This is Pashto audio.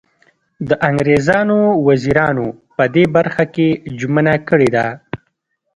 د انګریزانو وزیرانو په دې برخه کې ژمنه کړې ده.